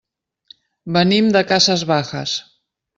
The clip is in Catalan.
Venim de Casas Bajas.